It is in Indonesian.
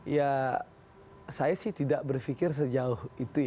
ya saya sih tidak berpikir sejauh itu ya